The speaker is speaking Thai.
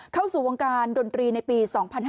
เข้าสู่วงการดนตรีในปี๒๕๕๙